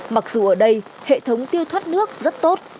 mặc dù ở đây hệ thống tiêu thoát nước rất tốt